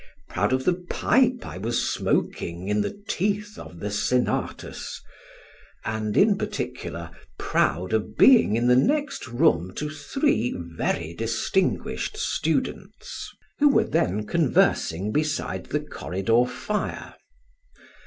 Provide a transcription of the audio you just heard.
proud of the pipe I was smoking in the teeth of the Senatus; and in particular, proud of being in the next room to three very distinguished students, who were then conversing beside the corridor fire.